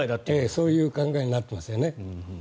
そういう考えになってますよね。